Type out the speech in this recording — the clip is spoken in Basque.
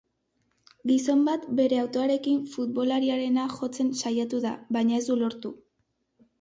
Gizon bat bere autoarekin futbolariarena jotzen saiatu da, baina ez du lortu.